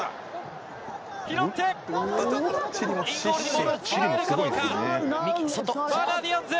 拾って、インゴールにボールを付けられるかどうか。